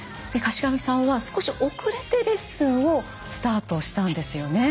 柏木さんは少し遅れてレッスンをスタートしたんですよね？